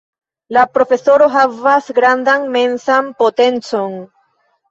La Profesoro havas grandan mensan potencon.